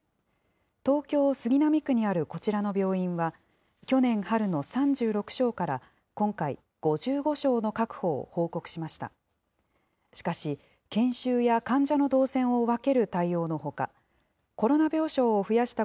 東京・杉並区にあるこちらの病院は、去年春の３６床から、今回、５５床の確保を報告しました。